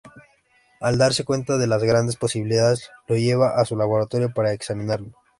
Al darse cuenta de las grandes posibilidades, lo lleva a su laboratorio para examinarlo.